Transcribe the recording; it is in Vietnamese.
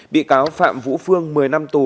bị cáo phạm vũ phương một mươi năm tù